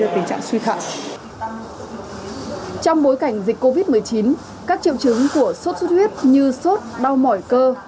trong bối cảnh dịch covid một mươi chín các triệu chứng của suốt suốt huyết như suốt đau mỏi cơ